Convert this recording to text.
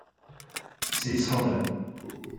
C'est scandaleux.